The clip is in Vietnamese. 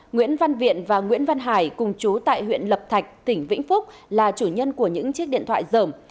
nguyễn văn viện và nguyễn văn hải cùng chú tại huyện lập thạch tỉnh vĩnh phúc là chủ nhân của những chiếc điện thoại dởm